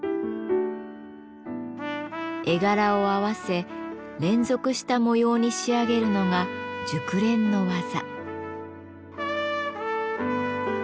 絵柄を合わせ連続した模様に仕上げるのが熟練の技。